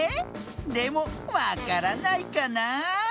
でもわからないかなあ？